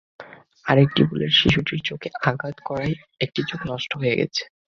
আরেকটি বুলেট শিশুটির চোখে আঘাত করায় একটি চোখ নষ্ট হয়ে গেছে।